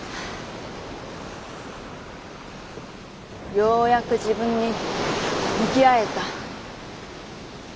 ようやく自分に向き合えた。